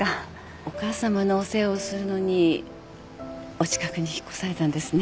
お母さまのお世話をするのにお近くに引っ越されたんですね。